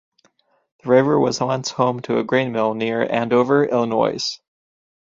The river was once home to a grain mill near Andover, Illinois.